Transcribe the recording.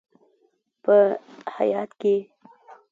په هیات کې: